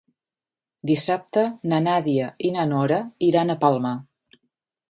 Dissabte na Nàdia i na Nora iran a Palma.